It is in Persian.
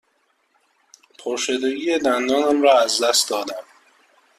پرشدگی دندانم را از دست داده ام.